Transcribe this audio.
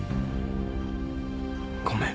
ごめん。